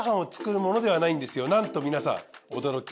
なんと皆さん驚き。